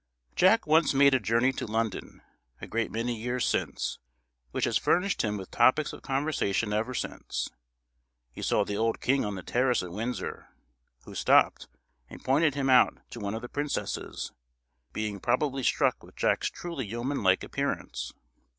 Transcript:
Jack once made a journey to London, a great many years since, which has furnished him with topics of conversation ever since. He saw the old king on the terrace at Windsor, who stopped, and pointed him out to one of the princesses, being probably struck with Jack's truly yeoman like appearance.